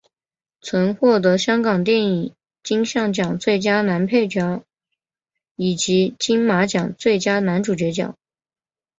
曾获得香港电影金像奖最佳男配角以及金马奖最佳男主角奖。